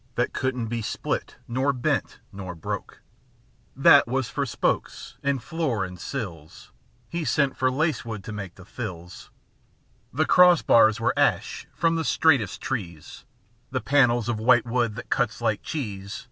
That couldn't be split nor bent nor broke â That was for spokes and floor and sills; He sent for lancewood to make the thills; The cross bars were ash, from the straightest trees; The panels of white wood, that cuts like cheese.